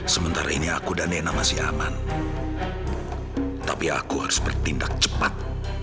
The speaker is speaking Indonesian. sementara ini aku dan nena masih aman tapi aku harus bertindak cepat